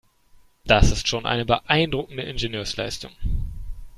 Das ist schon eine beeindruckende Ingenieursleistung.